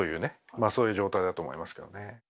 まあそういう状態だと思いますけどね。